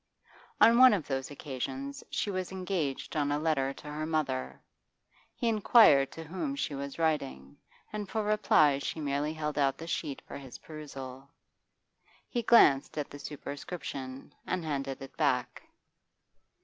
On one of those occasions she was engaged on a letter to her mother; he inquired to whom she was writing, and for reply she merely held out the sheet for his perusal. He glanced at the superscription, and handed it back.